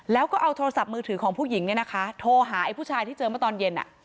แล้วก็เอาโทรศัพท์มือถือของผู้หญิงเนี่ยนะคะโทรหาไอ้ผู้ชายที่เจอเมื่อตอนเย็น